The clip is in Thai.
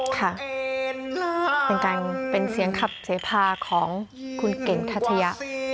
ตั้งกันเป็นเสียงครับเสพาของคุณเก่งทัตยะ